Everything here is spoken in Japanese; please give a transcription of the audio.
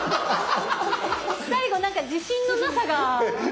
最後何か自信のなさが。